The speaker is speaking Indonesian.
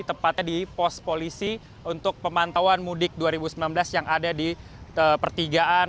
tepatnya di pos polisi untuk pemantauan mudik dua ribu sembilan belas yang ada di pertigaan